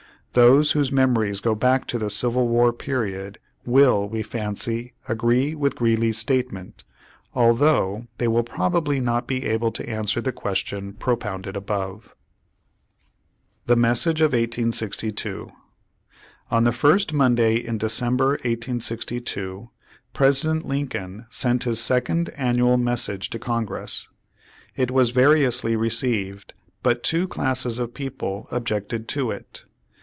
Those whose memories go back to the Civil War period will, we fancy, agree with Greeley's statement, although they will probably not be able to answer the question propounded above. 15 TEE MESSAGE OF 1862 On the first Monday in December, 1862, Presi dent Lincoln sent his second annual message to Congress. It was variously received, but two classes of people objected to it.